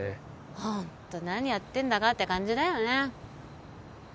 ホント何やってんだかって感じだよね